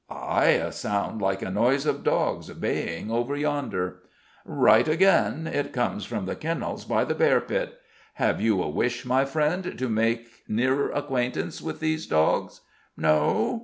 "Ay: a sound like a noise of dogs baying over yonder." "Right again: it comes from the kennels by the Bear Pit. Have you a wish, my friend, to make nearer acquaintance with these dogs? No?